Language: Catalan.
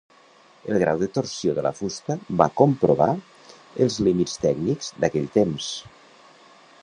El grau de torsió de la fusta va comprovar els límits tècnics d'aquell temps.